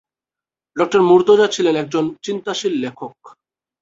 ডঃ মুর্তজা ছিলেন একজন চিন্তাশীল লেখক।